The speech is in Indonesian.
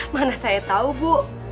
mana saya tau bu